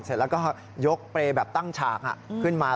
เสร็จแล้วก็ยกเปรย์แบบตั้งฉากขึ้นมา